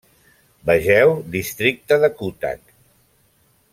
Vegeu Districte de Cuttack.